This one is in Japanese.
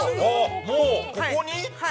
◆もうここに？